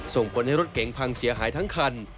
ส่งผลให้รถเก๋งพังเสียหายทั้งคัน